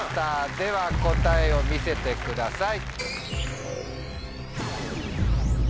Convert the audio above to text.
では答えを見せてください。